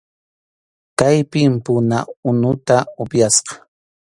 Kaypim puna unuta upyasqa.